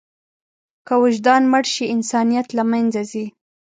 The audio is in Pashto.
که وجدان مړ شي، انسانیت له منځه ځي.